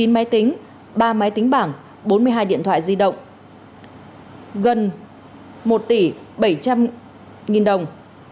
một mươi máy tính ba máy tính bảng bốn mươi hai điện thoại di động gần một tỷ bảy trăm linh đồng